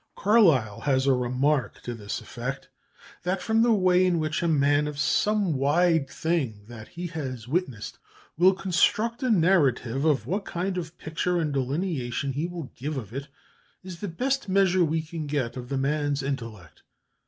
Carlyle has a remark to the effect that from the way in which a man, of some wide thing that he has witnessed, will construct a narrative, what kind of picture and delineation he will give of it, is the best measure we can get of the man's intellect.